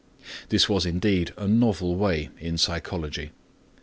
This was indeed a novel way in psychology.